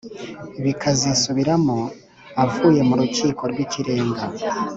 Bakazisubiramo, avuye mu Rukiko rw’Ikirenga